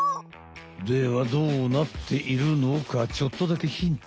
ではどうなっているのかちょっとだけヒント。